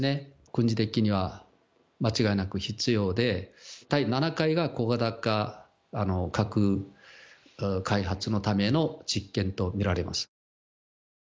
軍事的には間違いなく必要で、第７回が小型化核開発のための実験と見られます。